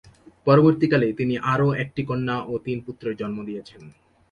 পরবর্তীকালে তিনি আরও একটি কন্যা ও তিন পুত্রের জন্ম দিয়েছেন।